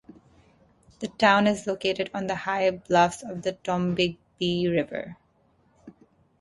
The town is located on the high bluffs of the Tombigbee River.